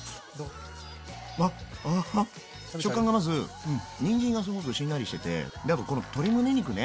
わ食感がまずにんじんがすごくしんなりしててであとこの鶏むね肉ね。